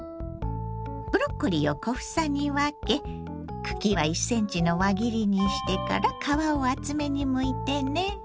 ブロッコリーを小房に分け茎は１ｃｍの輪切りにしてから皮を厚めにむいてね。